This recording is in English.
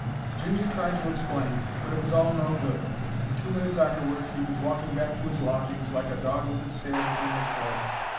Ginger tried to explain, but it was all no good, and two minutes arterwards 'e was walking back to 'is lodgings like a dog with its tail between its legs.